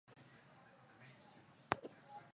Maji yakimwagika hayazoleki